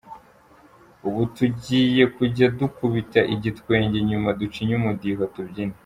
Ubu tugiye kujya dukubita igitwenge, nyuma ducinye umudiho tubyine.